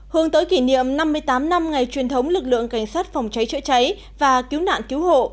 hướng tới kỷ niệm năm mươi tám năm ngày truyền thống lực lượng cảnh sát phòng cháy chữa cháy và cứu nạn cứu hộ